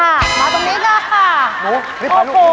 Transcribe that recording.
มาตรงนี้ค่ะ